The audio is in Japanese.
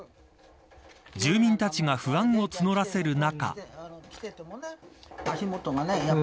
住民たちが不安を募らせる中。